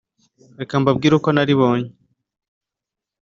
Reka mbabwire uko naribonye.